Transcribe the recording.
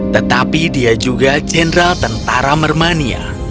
tetapi dia juga jenderal tentara mermania